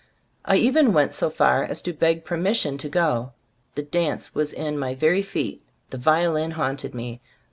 I even went so far as to beg permission to go. The dance was in my very feet. The violin haunted me.